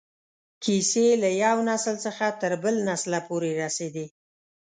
کیسې له یو نسل څخه تر بل نسله پورې رسېدې.